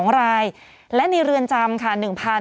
๒รายและในเรือนจำค่ะ